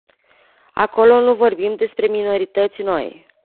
Acolo nu vorbim despre minorități noi.